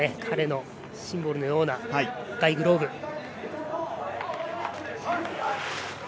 彼のシンボルのような赤いグローブ。